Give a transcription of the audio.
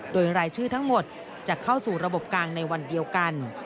โดยรายชื่อทั้งหมดจะเข้าสู่ระบบกลางในวันเดียวกัน